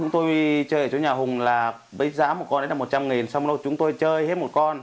tôi chơi ở chỗ nhà hùng là với giá một con đấy là một trăm linh nghìn xong rồi chúng tôi chơi hết một con